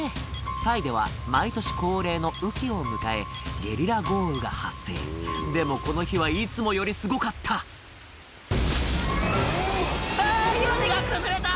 タイでは毎年恒例の雨期を迎えゲリラ豪雨が発生でもこの日はいつもよりすごかったあぁ屋根が崩れた！